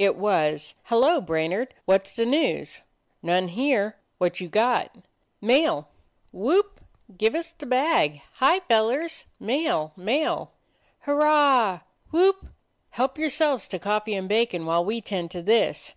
It was, "Hello, Brainard, what ' s the news?" "None here. What you got?" "Mail." "Whoop! Give us the bag! Hi, fellers! Mail! Mail!" "Hurrah! Whoop! Help yourselves to coffee and bacon while we tend to this.